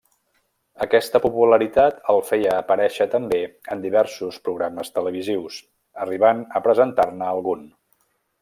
Aquesta popularitat el feia aparèixer també en diversos programes televisius, arribant a presentar-ne algun.